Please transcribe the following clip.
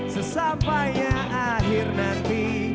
sesampainya akhir nanti